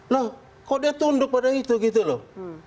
loh kok dia tunduk pada itu gitu loh